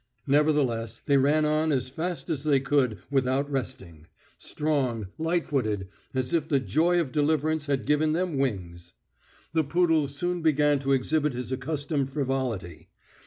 Nevertheless, they ran on as fast as they could without resting, strong, light footed, as if the joy of deliverance had given them wings. The poodle soon began to exhibit his accustomed frivolity.